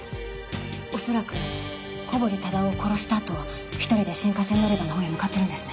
恐らく小堀忠夫を殺したあと１人で新幹線乗り場のほうへ向かってるんですね。